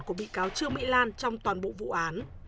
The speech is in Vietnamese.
của bị cáo trương mỹ lan trong toàn bộ vụ án